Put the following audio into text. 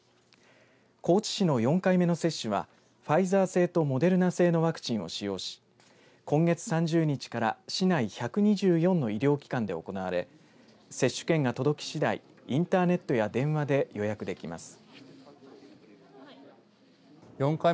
高知市の４回目接種はファイザー製とモデルナ製のワクチンを使用し今月３０日から市内１２４の医療機関で行われ接種券が届きしだいインターネットや電話で予約できます。